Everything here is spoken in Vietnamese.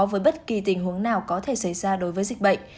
với bất kỳ tình huống nào có thể xảy ra đối với dịch bệnh